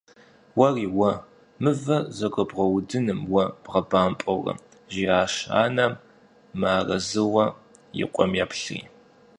- Уэри уэ, мывэ зэгуэбгъэудыным уэ бгъэбампӏэурэ! – жиӏащ анэм мыарэзыуэ и къуэм еплъри.